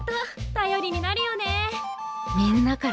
たよりになるよね。